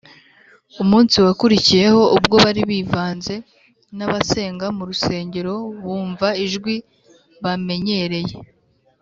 . Umunsi wakurikiyeho, ubwo bari bivanze n’abasenga mu rusengero, bumva ijwi bamenyereye